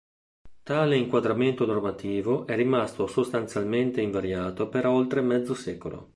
Tale inquadramento normativo è rimasto sostanzialmente invariato per oltre mezzo secolo.